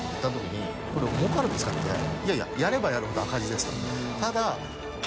い笋いやればやるほど赤字ですと。